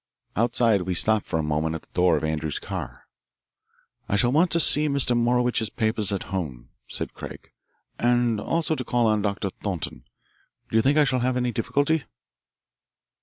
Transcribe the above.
Outside we stopped for a moment at the door of Andrews's car. "I shall want to see Mr. Morowitch's papers at home," said Craig, "and also to call on Doctor Thornton. Do you think I shall have any difficulty?"